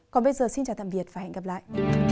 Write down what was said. còn bây giờ xin chào tạm biệt và hẹn gặp lại